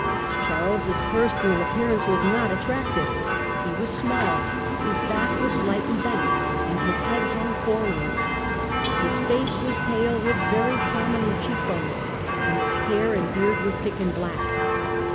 Charles's personal appearance was not attractive. He Personal ^'^. appearance was small, his back was slightly bent, and his head hung and char forwards ; his face was pale with very prominent cheek charies iv. bones, and his hair and beard were thick and black.